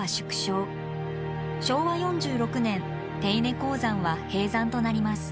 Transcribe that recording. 昭和４６年手稲鉱山は閉山となります。